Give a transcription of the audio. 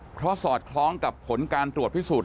เพราะสอดคล้องกับผลการตรวจพิสูจน